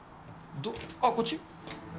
あっ、こっち？